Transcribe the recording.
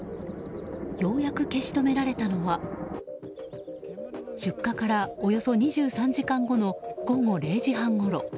ようやく消し止められたのは出火からおよそ２３時間後の午後０時半ごろ。